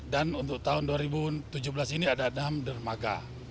dan untuk tahun dua ribu tujuh belas ini ada enam dermaga